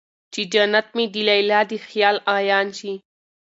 چې جنت مې د ليلا د خيال عيان شي